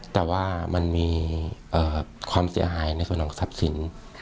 แต่ว่ามันมีความเสียหายในส่วนของทรัพย์สิน